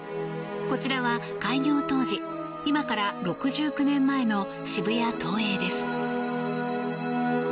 こちらは開業当時今から６９年前の渋谷ＴＯＥＩです。